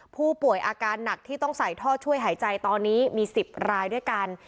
ผู้ป่วยอาการหนักที่ต้องใส่ท่อช่วยหายใจตอนนี้มี๑๐รายด้วยกัน